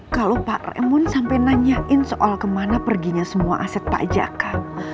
kalau pak remun sampai nanyain soal kemana perginya semua aset pak jaka